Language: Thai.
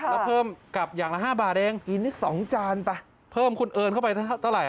แล้วเพิ่มกลับอย่างละ๕บาทเองกินได้๒จานไปเพิ่มคุณเอิญเข้าไปเท่าไหร่